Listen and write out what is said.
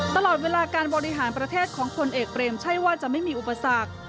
ตลอดเวลาการบริหารประเทศของพลเอกเบรมใช่ว่าจะไม่มีอุปสรรค